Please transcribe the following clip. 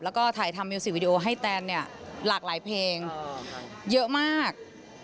แล้วก็ถ่ายทำมิวสิกวิดีโอให้แตนเนี่ยหลากหลายเพลงเยอะมาก